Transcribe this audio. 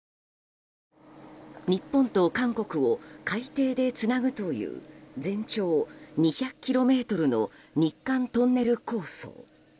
日本と韓国を海底でつなぐという全長２００ｋｍの日韓トンネル構想。